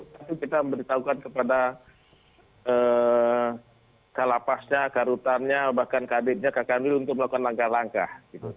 tapi kita memberitahukan kepada ke lapasnya ke rutannya bahkan ke adiknya ke adik adik untuk melakukan langkah langkah gitu